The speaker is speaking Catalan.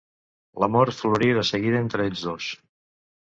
L'amor florí de seguida entre ells dos.